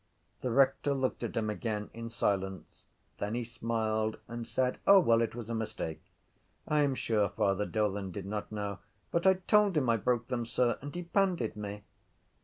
The rector looked at him again in silence. Then he smiled and said: —O, well, it was a mistake, I am sure Father Dolan did not know. —But I told him I broke them, sir, and he pandied me.